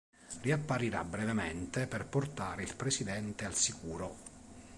Riapparirà brevemente per portare il presidente al sicuro.